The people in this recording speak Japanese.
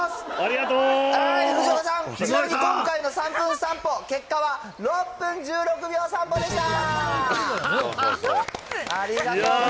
藤岡さん、ちなみに今回の３分散歩、結果は６分１６秒散歩でした。